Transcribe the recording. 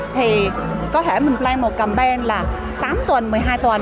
thì có thể mình plan một campaign là tám tuần một mươi hai tuần